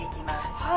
「はい」